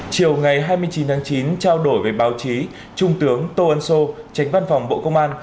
chiều ngày hai mươi chín tháng chín trao đổi với báo chí trung tướng tô ân sô tránh văn phòng bộ công an